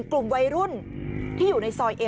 กลุ่มหนึ่งก็คือ